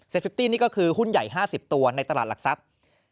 ฟิตตี้นี่ก็คือหุ้นใหญ่๕๐ตัวในตลาดหลักทรัพย์